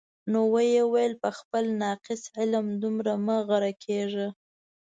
نو ویې ویل: په خپل ناقص علم دومره مه غره کېږه.